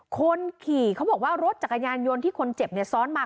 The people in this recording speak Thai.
คนขี่เขาบอกว่ารถจักรยานยนต์ที่คนเจ็บเนี่ยซ้อนมา